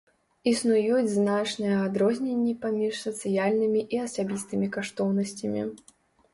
Існуюць значныя адрозненні паміж сацыяльнымі і асабістымі каштоўнасцямі.